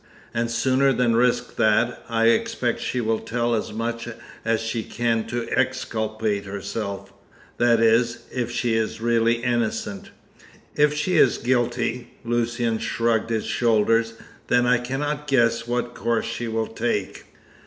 And sooner than risk that, I expect she will tell as much as she can to exculpate herself that is, if she is really innocent. If she is guilty," Lucian shrugged his shoulders, "then I cannot guess what course she will take."